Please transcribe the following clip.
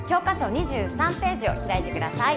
２３ページをひらいてください。